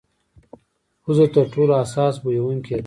پزه تر ټولو حساس بویونکې ده.